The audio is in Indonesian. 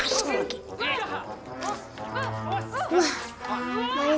lu seorang pindah olah gratian